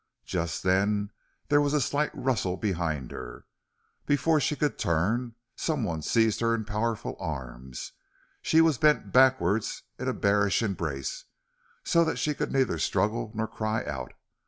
Just then there was a slight rustle behind her. Before she could turn someone seized her in powerful arms. She was bent backward in a bearish embrace, so that she could neither struggle nor cry out.